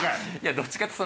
どっちかっていうと。